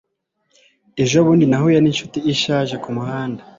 Ejobundi nahuye ninshuti ishaje kumuhanda.